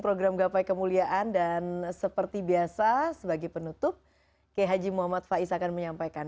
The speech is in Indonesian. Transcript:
program gapai kemuliaan dan seperti biasa sebagai penutup k h muhammad faiz akan menyampaikan